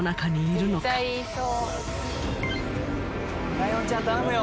ライオンちゃん頼むよ。